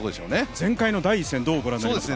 前回の第１戦、どう御覧になりますか。